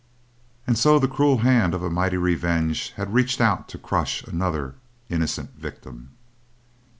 And so the cruel hand of a mighty revenge had reached out to crush another innocent victim.